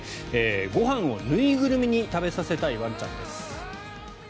ご飯を縫いぐるみに食べさせたいワンちゃんです。